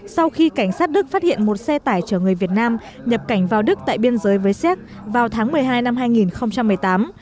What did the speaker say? sau khi cảnh sát đức phát hiện một xe tải chở người việt nam nhập cảnh vào đức tại biên giới với séc vào tháng một mươi hai năm hai nghìn một mươi tám